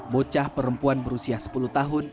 bocah perempuan berusia sepuluh tahun